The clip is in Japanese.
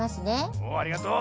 おおありがとう。